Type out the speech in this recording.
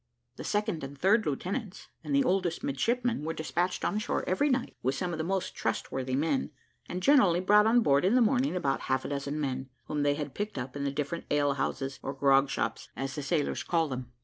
The second and third lieutenants, and the oldest midshipmen, were despatched on shore every night, with some of the most trustworthy men, and generally brought on board in the morning about half a dozen men, whom they had picked up in the different alehouses or grog shops, as the sailors call them.